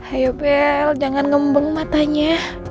ayo bel jangan ngembeng matanya